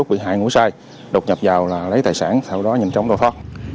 bị hại ngũ sai đột nhập vào là lấy tài sản sau đó nhanh chóng đòi thoát